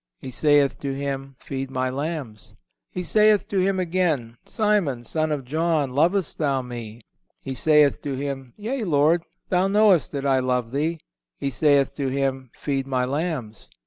He saith to him: Feed My lambs. He saith to him again: Simon, son of John, lovest thou Me? He saith to Him: Yea, Lord, Thou knowest that I love Thee. He saith to him: Feed My lambs.